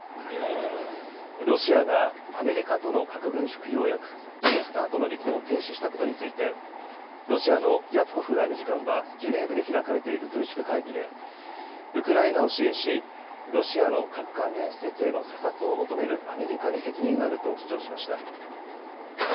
ロシアがアメリカとの核軍縮条約新ＳＴＡＲＴの履行を停止したことについてロシアのリャプコフ外務次官はジュネーブで開かれている軍縮会議でウクライナを支援しロシアの核関連施設への査察を求めるアメリカに責任があると主張しました。